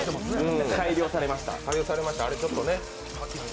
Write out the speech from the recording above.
改良されました。